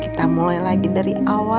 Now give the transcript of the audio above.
kita mulai lagi dari awal